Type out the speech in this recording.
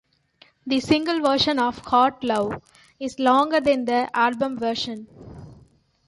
The single version of "Hot Love" is longer than the album version.